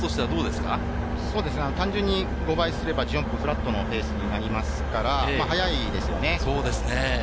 単純に５倍すれば、フラットのペースになりますから、速いですね。